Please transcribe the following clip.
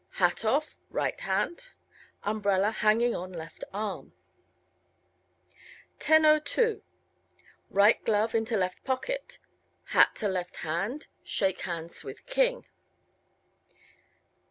Hat off (right hand). Umbrella hanging on left arm. 10:02 Right glove into left pocket. Hat to left hand. Shake hands with King.